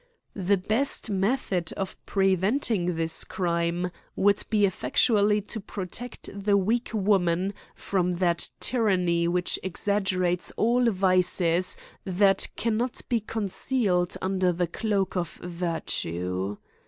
The best method of preventing this crime would be effectually to protect the weak woman from that tyranny which exaggerates all vices that can not be concealed under the cloak of virtue.